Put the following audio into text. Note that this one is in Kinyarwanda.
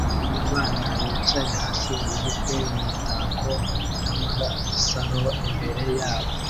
Abana bicaye hasi bafite imitako y'amasaro imbere yabo